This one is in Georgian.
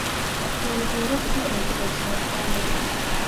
არქეოლოგიურად იგი ჯერ კიდევ შეუსწავლელია.